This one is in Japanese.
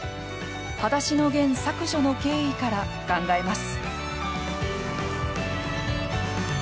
「はだしのゲン」削除の経緯から考えます。